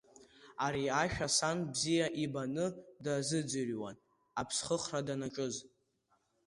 Ари ашәа сан бзиа ибаны дазыӡырҩуан аԥсхыхра данаҿыз…